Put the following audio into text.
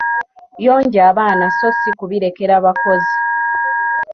Yonja abaana so si kubirekera bakozi.